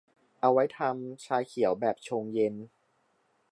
เอาไว้ทำชาเชียวแบบชงเย็น